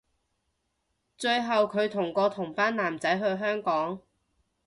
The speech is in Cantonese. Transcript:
最後距同個同班男仔去香港